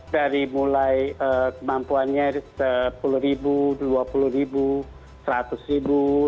dari mulai kemampuannya sepuluh ribu dua puluh ribu seratus ribu